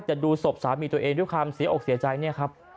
แต่ดูศพสามีตัวเองด้วยความเสียอกเสียใจ